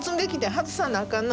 外さなあかんな。